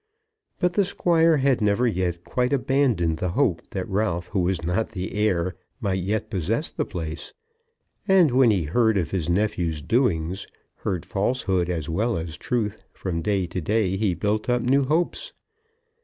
But the Squire had never yet quite abandoned the hope that Ralph who was not the heir might yet possess the place; and when he heard of his nephew's doings, heard falsehood as well as truth, from day to day he built up new hopes.